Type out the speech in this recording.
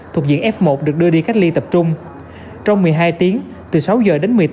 thuộc diện f một được đưa đi cách ly tập trung